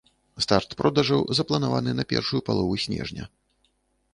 Старт продажаў запланаваны на першую палову снежня.